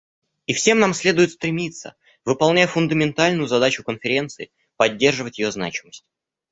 И всем нам следует стремиться, выполняя фундаментальную задачу Конференции, поддерживать ее значимость.